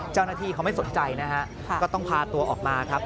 เจ้าหน้าที่เขาไม่สนใจนะฮะก็ต้องพาตัวออกมาครับ